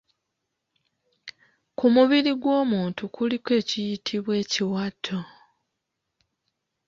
Ku mubiri gw’omuntu kuliko ekiyitibwa Ekiwato.